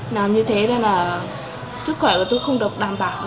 làm như thế nên là sức khỏe của tôi không được đảm bảo